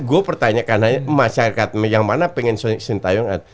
gue pertanyakan hanya masyarakat yang mana pengen sintayong